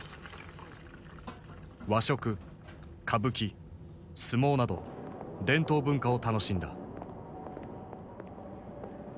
和食歌舞伎相撲など伝統文化を楽しんだ。